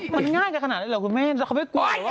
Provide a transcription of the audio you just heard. มันง่ายไปขนาดนี้เหรอคุณเม่นแล้วเขาไม่กลัวหรือว่า